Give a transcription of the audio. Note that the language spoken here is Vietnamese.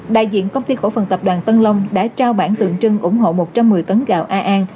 đại diện công ty cổ phần tập đoàn tân long đã trao bản tượng trưng ủng hộ một trăm một mươi tấn gạo a an